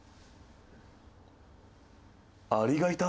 アリがいた。